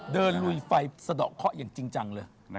ลุยไฟสะดอกเคาะอย่างจริงจังเลย